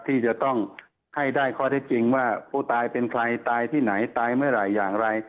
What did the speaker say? ที่จะต้องให้ได้ข้อเท็จจริงว่าผู้ตายเป็นใครตายที่ไหนตายเมื่อไหร่อย่างไร